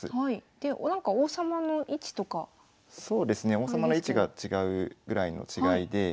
王様の位置が違うぐらいの違いで。